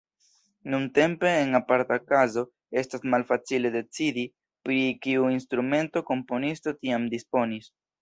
Nuntempe en aparta kazo estas malfacile decidi, pri kiu instrumento komponisto tiam disponis.